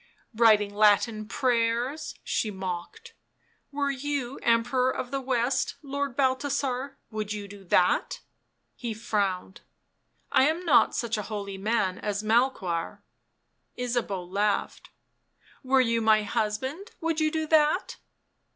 " Writing Latin prayers," she mocked. " Were you Emperor of the West, Lord Balthasar, would you do that ?" He frowned. " I am not such a holy man as Melchoir." Ysabeau laughed. " Were you my husband would you do that